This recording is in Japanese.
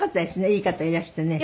いい方いらしてね。